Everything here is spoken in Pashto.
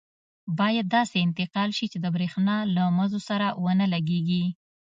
باید داسې انتقال شي چې د بریښنا له مزو سره ونه لګېږي.